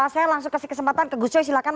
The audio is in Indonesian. saya langsung kasih kesempatan ke gus coy silakan